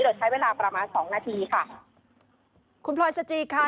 โดยใช้เวลาประมาณสองนาทีค่ะคุณพลอยสจีค่ะ